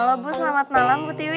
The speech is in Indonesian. kalo bu selamat malam butiwi